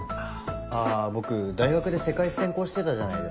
あぁ僕大学で世界史専攻してたじゃないですか。